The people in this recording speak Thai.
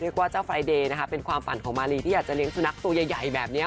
เจ้าไฟเดย์นะคะเป็นความฝันของมารีที่อยากจะเลี้ยสุนัขตัวใหญ่แบบนี้